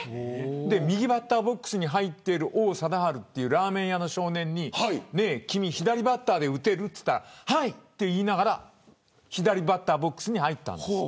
右バッターボックスに入っている王貞治というラーメン屋の少年に君、左バッターで打てると聞いたらはい、と言いながら左バッターボックスに入ったんです。